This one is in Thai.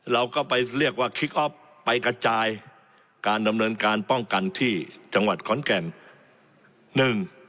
เราก็ไปเรียกว่าคิกออฟไปกระจายการดำเนินการป้องกันที่จังหวัดขอนแก่นหนึ่ง